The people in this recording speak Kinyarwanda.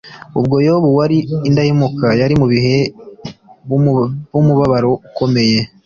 Ubwo Yobu wari indahemuka yari mu bihe bumubabaro ukomeye